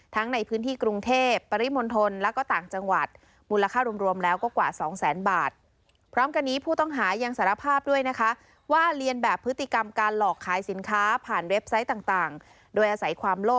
ทั้งในพื้นที่กรุงเทพฯปริมณฑลแล้วก็ต่างจังหวัด